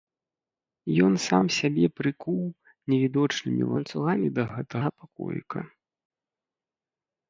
Ён сам сябе прыкуў невідочнымі ланцугамі да гэтага пакоіка.